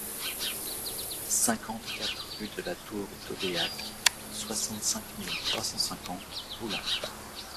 cinquante-quatre rue de la Tour d'Oléac, soixante-cinq mille trois cent cinquante Boulin